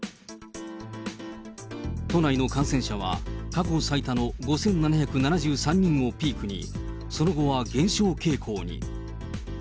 都内の感染者は、過去最多の５７７３人をピークに、その後は減少傾向に。